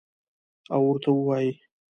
او ورته ووایي: